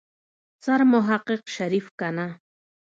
سرمحقق شريف کنه.